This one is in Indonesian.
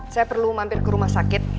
saya perlu mampir ke rumah sakit